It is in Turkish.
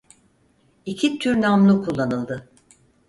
İki tür namlu kullanıldı.